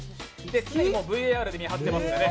常にＶＡＲで見守ってますのでね。